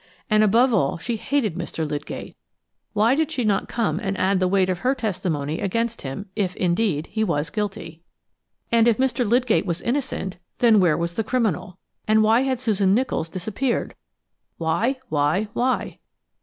And, above all, she hated Mr. Lydgate. Why did she not come and add the weight of her testimony against him if, indeed, he was guilty? And if Mr. Lydgate was innocent, then where was the criminal? And why had Susan Nicholls disappeared? Why? Why? Why?